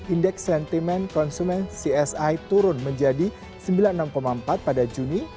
indeks sentimen konsumen csi turun menjadi sembilan puluh enam empat pada juni